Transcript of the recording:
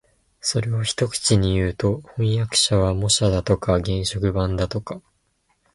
それを一口にいうと、飜訳者は模写だとか原色版だとか